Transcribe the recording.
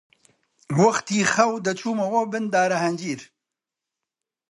وەختی خەو دەچوومەوە بن دارەهەنجیر